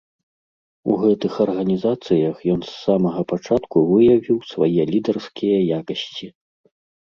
У гэтых арганізацыях ён з самага пачатку выявіў свае лідарскія якасці.